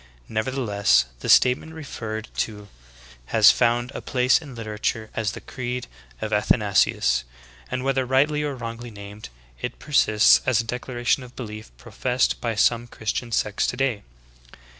Nevertheless, the statement referred to has found a place in literature as the "Creed of Athanasius," and whether rightly or wrongly named it persists as a declaration of belief professed by some Christian sects today.